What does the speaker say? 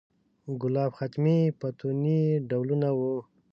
ګلاب، ختمي، فتوني یې ډولونه و.